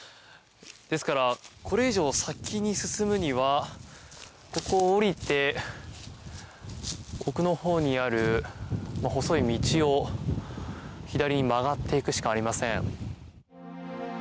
ですから、これ以上先に進むにはここを下りて奥のほうにある細い道を左に曲がっていくしかありません。